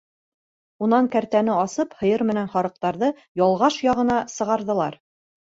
Унан кәртәне асып һыйыр менән һарыҡтарҙы ялғаш яғына сығарҙылар.